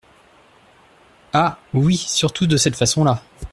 Ah ! oui, surtout de cette façon-là !